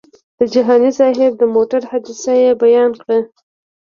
د جهاني صاحب د موټر حادثه یې بیان کړه.